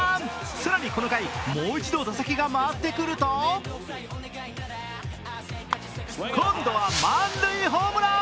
更にこの回、もう一度打席が回ってくると今度は満塁ホームラン！